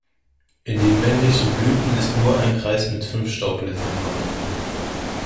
In den männlichen Blüten ist nur ein Kreis mit fünf Staubblättern vorhanden.